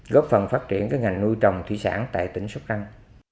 góp phần phát triển cái ngành nuôi trồng thủy sản tại tỉnh sóc răng